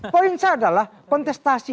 poinnya adalah kontestasi